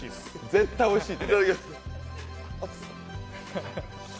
絶対おいしい。